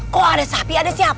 kok ada sapi ada siapa